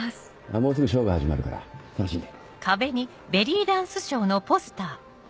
もうすぐショーが始まるから楽しんで。